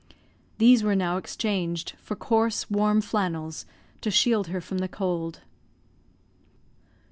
These were now exchanged for coarse, warm flannels, to shield her from the cold.